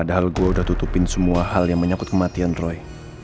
padahal gue udah tutupin semua hal yang menyakut kematian roy